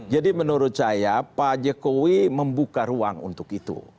jadi menurut saya pak jokowi membuka ruang untuk itu